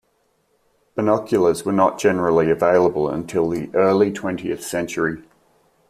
Binoculars were not generally available until the early twentieth century.